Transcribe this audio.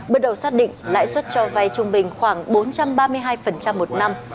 bước đầu xác định lãi suất cho vay trung bình khoảng bốn trăm ba mươi hai một năm